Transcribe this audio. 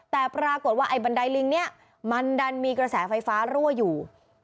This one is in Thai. แต่ปรากฏว่าไอ้บันไดลิงนี้มันดันมีกระแสไฟฟ้ารั่วอยู่